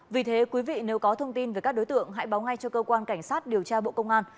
vì thế quý vị nếu có thông tin về các đối tượng hãy báo ngay cho cơ quan cảnh sát điều tra bộ công an